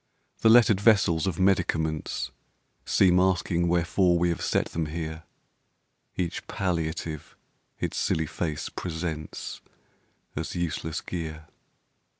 The lettered vessels of medicaments Seem asking wherefore we have set them here; Each palliative its silly face presents As useless gear.